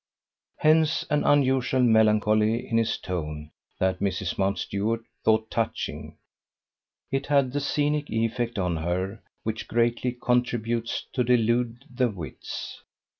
Hence an unusual melancholy in his tone that Mrs. Mountstuart thought touching. It had the scenic effect on her which greatly contributes to delude the wits.